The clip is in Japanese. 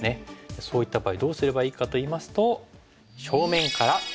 そういった場合どうすればいいかといいますと。